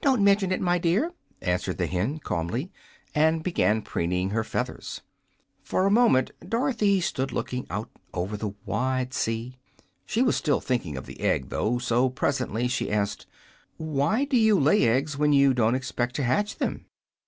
"Don't mention it, my dear," answered the hen, calmly, and began preening her feathers. For a moment Dorothy stood looking out over the wide sea. She was still thinking of the egg, though; so presently she asked: "Why do you lay eggs, when you don't expect to hatch them?"